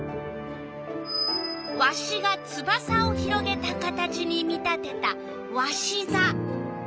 わしがつばさを広げた形に見立てたわしざ。